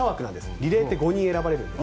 リレーって５人選ばれるので。